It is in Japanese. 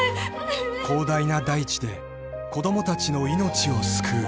［広大な大地で子供たちの命を救う］